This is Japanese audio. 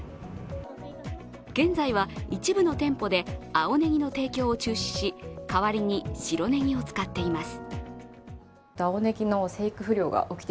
現在は、一部の店舗で青ねぎの提供を中止し、代わりに白ねぎを使っています。